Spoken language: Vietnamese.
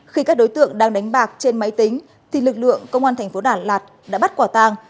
khi các đối tượng đang đánh bạc trên máy tính thì lực lượng công an thành phố đà lạt đã bắt quả tàng